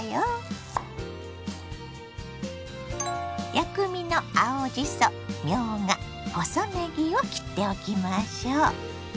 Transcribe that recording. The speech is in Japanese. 薬味の青じそみょうが細ねぎを切っておきましょ。